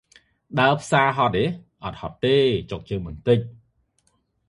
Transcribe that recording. «ដើរផ្សារ ហត់អេ៎?» «អត់ហត់ទេ! ចុកជើងបន្តិច។»